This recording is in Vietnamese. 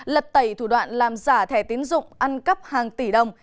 lật tẩy thủ đoạn làm giả thẻ tiến dụng ăn cắp hàng tỷ đồng